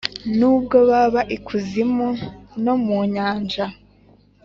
N’ ubwo bab’ikuzimu no mu Nyanja,